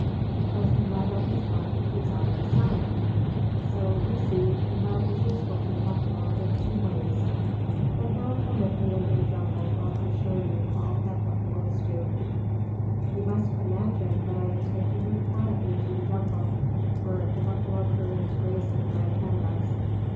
Because the mud on his body keeps off the sun. So, you see, the mud is useful to the buffalo in two ways. But now come with me into the jungle while I show you all that the buffaloes do. You must imagine that I am taking you quietly through the jungle, where the buffalo herd is grazing right ahead of us.